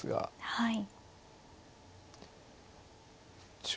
はい。